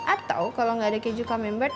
atau kalau enggak ada keju camembert